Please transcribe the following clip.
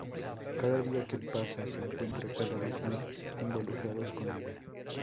Cada día que pasa, se encuentra cada vez más involucrados con ella.